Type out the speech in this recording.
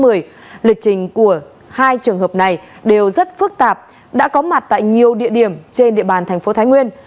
tại đây lịch trình của hai trường hợp này đều rất phức tạp đã có mặt tại nhiều địa điểm trên địa bàn tp thái nguyên